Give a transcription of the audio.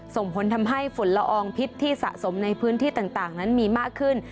ส่งผลทำให้ฝุ่นละอองพิษที่สะสมในพื้นที่ต่างนั้นมีมากขึ้น